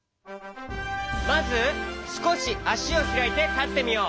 まずすこしあしをひらいてたってみよう。